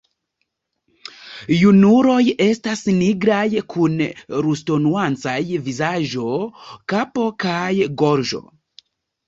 Junuloj estas nigraj kun rusto-nuancaj vizaĝo, kapo kaj gorĝo.